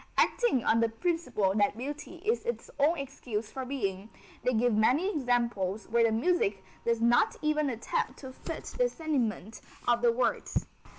Acting on the principle that beauty is its own excuse for being, they give many examples where the music does not even attempt to fit the sentiment of the words.